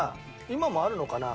今もあるのかな？